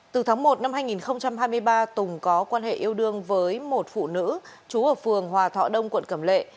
từ tháng một năm hai nghìn hai mươi ba tùng có quan hệ yêu đương với một phụ nữ trú ở phường hòa thọ đông quận cẩm lệ